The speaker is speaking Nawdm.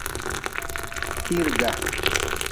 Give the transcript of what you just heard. Kiirga.